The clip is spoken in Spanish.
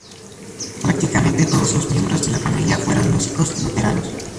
Prácticamente todos los miembros de la familia fueron músicos luteranos.